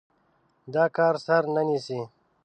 دا کار سر نه نيسي.